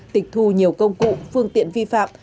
tịch thu nhiều công cụ phương tiện vi phạm